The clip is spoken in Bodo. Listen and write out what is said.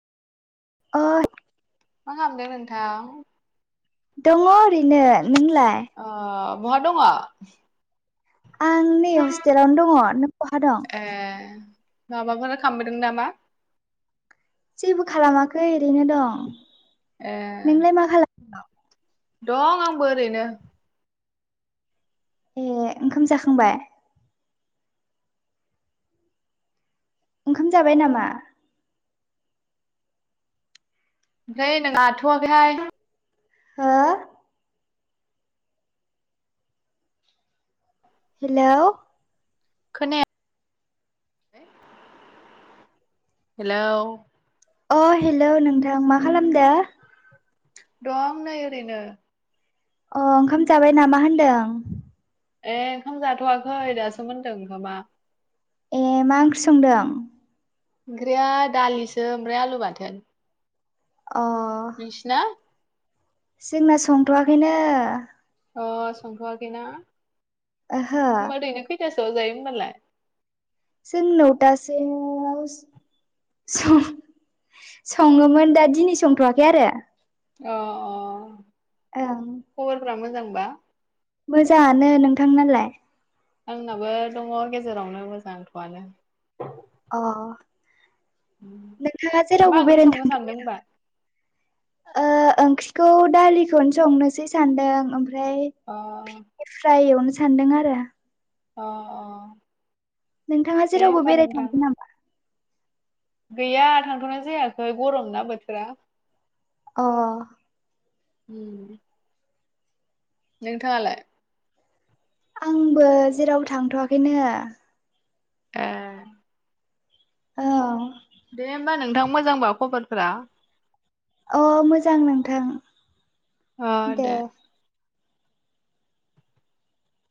[unintelligible] मा खामदों नोंथां? दङ' ओरैनो। नोंलाय? अ बहा दङ'? आं नै हस्टेलावनो दङ'। नों बहा दं? माबाफोरा खामबायदों बोदों नामा? जेबो खालामाखै ओरैनो दं। ए। नोंलाय [unintelligible] दं आंबो ओरैनो। ए ओंखाम जाखांबाय? ओंखाम जाबाय नामा? [unintelligible] आथ'आखै हाय। हो? हेलौ! खोनायाखै हेलौ! अ हेलौ! नोंथां मा खालामदो? दं नै ओरैनो। अ ओंखाम जाबाय नामा होनदों? ए ओंखाम जाथ'वाखै दासो मोनदों ओंखामा। ए मा ओंख्रि संदों? ओंख्रिया दालिसो ओमफ्राय आलु बाथोन। अ निंसिना? जोंना संथ'वाखैनो। अ सोंथ'वाखैना? ओहो। खैतासोआव जायो होमबालाय? जों नौतासो आवस सङो। सङोमोन दा दिनै संथ'वाखै आरो। अ-अ ओं खबरफोरा मोजांबा? मोजाङानो नोंथांनालाय? आंनाबो दङ' गेजेरावनो मोजांथ'आनो। अ! नोंथांङा मा जेरावबो ओंख्रि बेरायनो संनो थांथवाखै सानदों नामा? होनबा? ओ ओं। आंथ' दालिखौनो संनोसै सान्दों ओमफ्राय अ भिन्दि फ्राय एवनो। सान्दों आरो। अ-अ! नोंथांङा जेरावबो बेरायनो थाङाखै नामा? गैया थांथ'नाय जायाखै गरम ना बोथोरा! अ! हम नोंथांङालाय? आंबो जेराव थांथआखैनो। ए औ। दे होमबा नोंथां मोजांबा खबरफोरा। अ मोजां नोंथां! अ दे।